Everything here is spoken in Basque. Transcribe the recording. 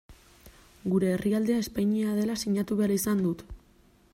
Gure herrialdea Espainia dela sinatu behar izan dut.